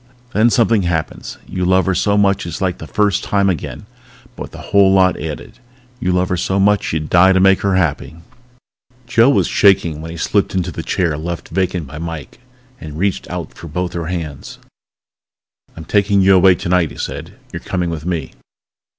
_ _Then something happens. You love her so much it's like the first time again but with a whole lot added. You love her so much you'd die to make her happy._ Joe was shaking when he slipped into the chair left vacant by Mike and reached out for both her hands. "I'm taking you away tonight," he said. "You're coming with me."